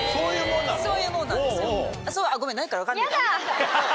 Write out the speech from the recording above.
そういうもんなんですよ。